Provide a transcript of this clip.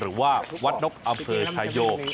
หรือว่าวัดนกอำเภอชายโย